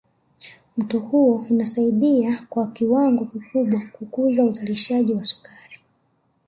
Mto huu unasaidia kwa kiwango kikubwa kukuza uzalishaji wa sukari